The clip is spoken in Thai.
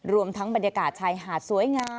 รวมทั้งบรรยากาศชายหาดสวยงาม